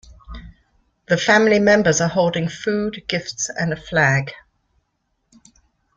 The family members are holding food, gifts, and a flag.